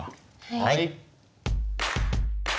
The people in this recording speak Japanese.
はい。